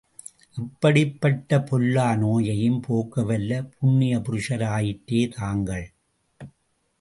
எப்படிப் பட்ட பொல்லா நோயையும் போக்க வல்ல புண்ணிய புருஷர் ஆயிற்றே தாங்கள்.